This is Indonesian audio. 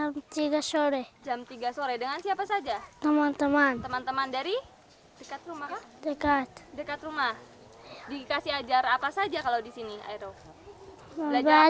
ketika orang orang berada di rumah ini kebetulan mereka menemui teman teman